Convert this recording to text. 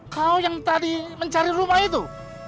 kau yang tadi mencari rumah itu